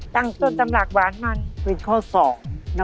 ตั้งตัวจำหลากหวานมัน